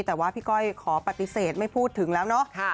แต่ว่าพี่ก้อยขอปฏิเสธไม่พูดถึงแล้วเนาะ